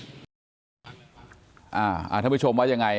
ท่านผู้ชมว่ายังไง